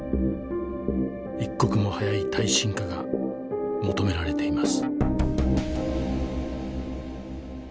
一刻も早い耐震化が求められています。